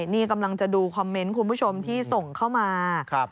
นี่กำลังจะดูคอมเมนต์คุณผู้ชมที่ส่งเข้ามา